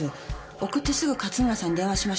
送ってすぐ勝村さんに電話しましたから。